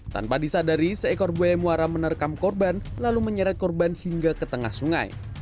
tanpa disadari seekor buaya muara menerkam korban lalu menyeret korban hingga ke tengah sungai